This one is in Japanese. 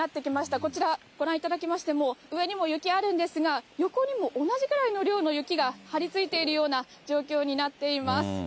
こちら、ご覧いただきましても、上にも雪あるんですが、横にも同じくらいの量の雪が張り付いているような状況になっています。